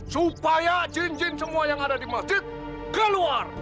supaya jin jin semua yang ada di masjid keluar